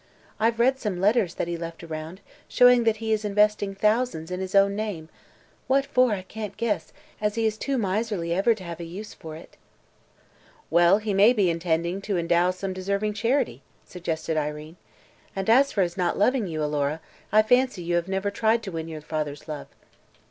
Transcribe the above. I've read some letters that he left around, showing that he is investing thousands in his own name what for, I can't guess, as he is too miserly ever to have a use for it." "Well, he may be intending to endow some deserving charity," suggested Irene. "And, as for his not loving you, Alora, I fancy you have never tried to win your father's love."